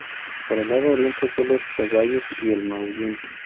Por el lado oriente solo el Zeballos y el Maullín.